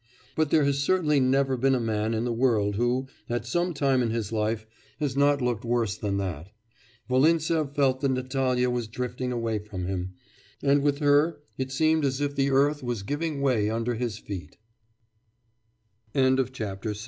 But there has certainly never been a man in the world who, at some time in his life, has not looked worse than that. Volintsev felt that Natalya was drifting away from him, and with her it seemed as if the earth was givi